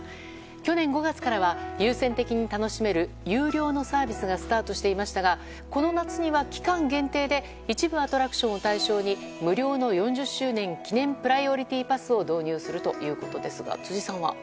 去年５月からは優先的に楽しめる有料のサービスがスタートしていましたがこの夏には期間限定で一部アトラクションを対象に無料の４０周年記念プライオリティパスを導入するということですが辻さんは？